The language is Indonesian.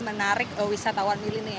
menarik wisatawan milik nih ya